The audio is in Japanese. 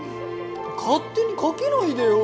勝手にかけないでよ！